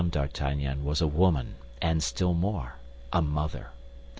D'Artagnan was a woman, and still more, a mother.